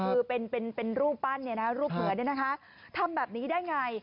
คือเป็นรูปปั้นรูปเหมือนทำแบบนี้ได้อย่างไร